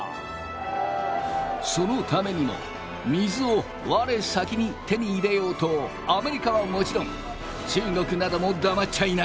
そのためにも水を我先に手に入れようとアメリカはもちろん中国なども黙っちゃいない。